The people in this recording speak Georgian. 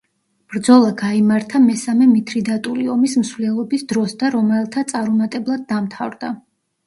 ბრძოლა გაიმართა მესამე მითრიდატული ომის მსვლელობის დროს და რომაელთა წარუმატებლად დამთავრდა.